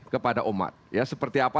kepada umat ya seperti apa